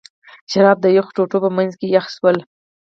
شراب د یخو ټوټو په منځ کې یخ شوي ول.